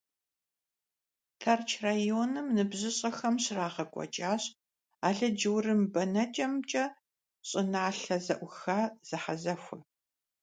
Тэрч районым ныбжьыщӀэхэм щрагъэкӀуэкӀащ алыдж-урым бэнэкӀэмкӀэ щӀыналъэ зэӀуха зэхьэзэхуэ.